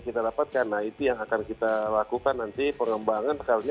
kita dapatkan nah itu yang akan kita lakukan nanti pengembangan